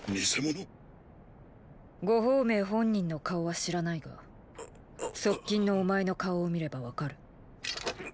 呉鳳明本人の顔は知らないが側近のお前の顔を見れば分かる。